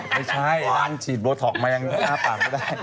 ไม่ใช่นางฉีดโบท็อกมาอย่างหน้าปากไม่ได้